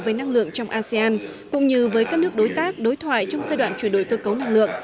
với năng lượng trong asean cũng như với các nước đối tác đối thoại trong giai đoạn chuyển đổi cơ cấu năng lượng